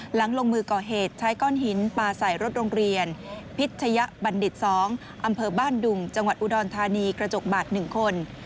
หลังลงมือก่อเหตุใช้ก้อนหินปลาใส่รถโรงเรียนพิชยบัณฑิต๒อำเภอบ้านดุงจังหวัดอุดรธานีกระจกบาด๑คน